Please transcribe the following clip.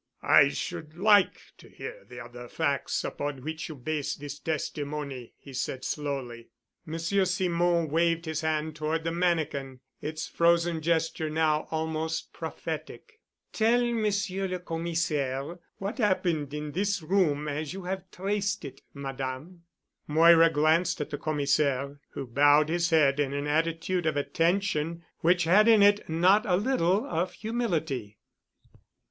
"I should like to hear the other facts upon which you base this testimony," he said slowly. Monsieur Simon waved his hand toward the mannikin, its frozen gesture now almost prophetic. "Tell Monsieur le Commissaire what happened in this room as you have traced it, Madame." Moira glanced at the Commissaire, who bowed his head in an attitude of attention, which had in it not a little of humility.